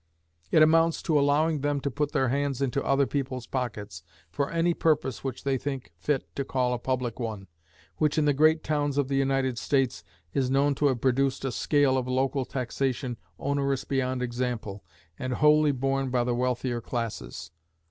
It amounts to allowing them to put their hands into other people's pockets for any purpose which they think fit to call a public one, which, in the great towns of the United States, is known to have produced a scale of local taxation onerous beyond example, and wholly borne by the wealthier classes.